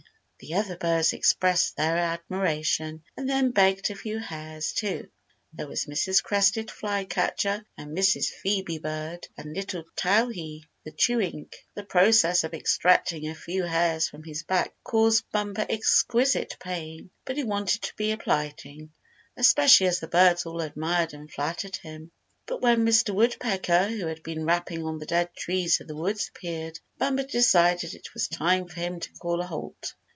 The other birds expressed their admiration, and then begged a few hairs, too. There was Mrs. Crested Flycatcher, and Mrs. Phœbe Bird, and little Towhee the Chewink. The process of extracting a few hairs from his back caused Bumper exquisite pain, but he wanted to be obliging, especially as the birds all admired and flattered him. But when Mr. Woodpecker, who had been rapping on the dead trees of the woods, appeared, Bumper decided it was time for him to call a halt.